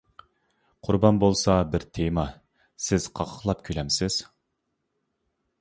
قۇربان بولسا بىر تېما، سىز قاقاقلاپ كۈلەمسىز.